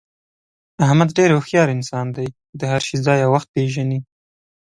احمد ډېر هوښیار انسان دی، د هر شي ځای او وخت پېژني.